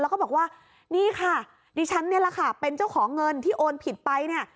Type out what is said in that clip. แล้วก็บอกว่านี่ค่ะดิฉันนี่แหละค่ะเป็นเจ้าของเงินที่โอนผิดไปเนี่ย